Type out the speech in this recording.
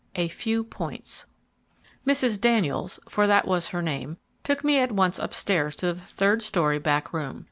A FEW POINTS Mrs. Daniels, for that was her name, took me at once up stairs to the third story back room.